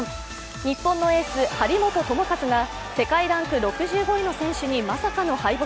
日本のエース、張本智和が世界ランク６５位の選手にまさかの敗北。